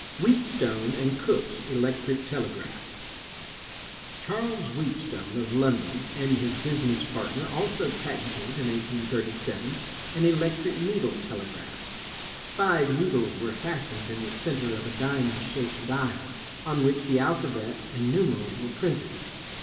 Wheatstone and Cook's Electric Telegraph Charles Wheatstone, of London, and his business part ner also patented, in 1837, an electric needle telegraph. Five needles were fastened in the center of a diamond shaped dial, on which the alphabet and numerals were printed.